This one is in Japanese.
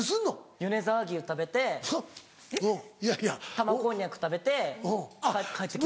米沢牛食べて玉こんにゃく食べて帰って来ました。